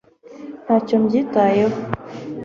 ntacyo mbyitayeho